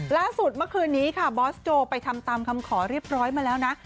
ล่าสุดเมื่อคืนนี้ค่ะบอสโจไปทำตามคำขอเรียบร้อยมาแล้วนะ